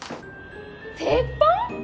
鉄板！？